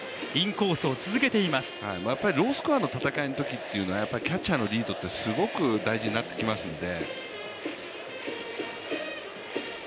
やっぱりロースコアの戦いのときってキャッチャーのリードってすごく大事になってきますので。